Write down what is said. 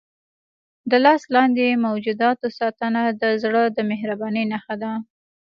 د لاس لاندې موجوداتو ساتنه د زړه د مهربانۍ نښه ده.